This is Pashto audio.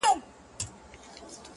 سترگه وره مي په پت باندي پوهېږي!!